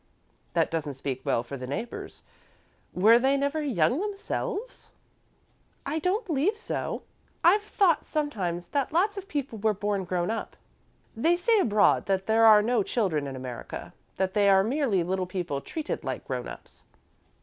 "That doesn't speak well for the neighbours. Were they never young themselves?" "I don't believe so. I've thought, sometimes, that lots of people were born grown up." "They say abroad, that there are no children in America that they are merely little people treated like grown ups."